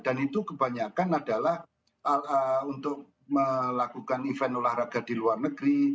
dan itu kebanyakan adalah untuk melakukan event olahraga di luar negeri